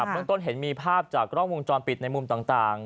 เมืองต้นเห็นมีภาพจากกล้องวงจรปิดในมุมต่าง